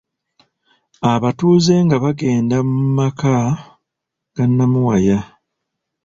Abatuuze nga bagenda mu maka ga Namuwaya.